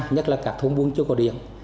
nhất là các thôn buôn chưa có điện